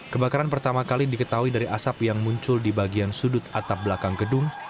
kebakaran pertama kali diketahui dari asap yang muncul di bagian sudut atap belakang gedung